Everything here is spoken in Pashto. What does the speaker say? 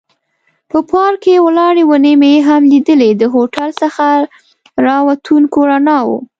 په پارک کې ولاړې ونې مې هم لیدلې، د هوټل څخه را وتونکو رڼاوو.